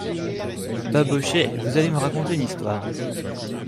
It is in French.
Babochet Vous allez me raconter une histoire !